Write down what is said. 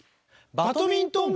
バドミントン部！